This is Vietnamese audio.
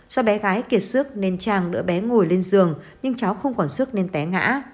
do bé gái kiệt sức nên trang đỡ bé ngồi lên giường nhưng cháu không còn sức nên té ngã